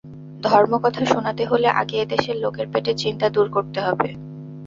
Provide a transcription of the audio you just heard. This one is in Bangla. ধর্মকথা শোনাতে হলে আগে এদেশের লোকের পেটের চিন্তা দূর করতে হবে।